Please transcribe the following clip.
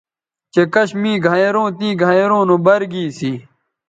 چہء کش می گھینئروں تیں گھینئروں نو بَر گی سی